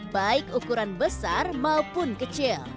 baik ukuran besar maupun kecil